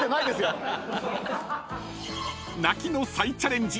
［泣きの再チャレンジ。